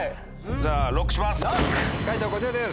じゃあＬＯＣＫします。